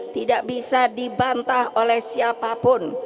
tidak bisa dibantah oleh siapapun